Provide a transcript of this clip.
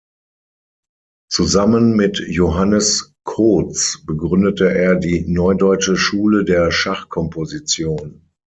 Zusammen mit Johannes Kohtz begründete er die Neudeutsche Schule der Schachkomposition.